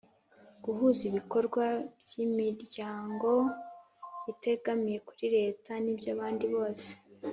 guhuza ibikorwa by'imiryango itegamiye kuri leta n'iby'abandi bose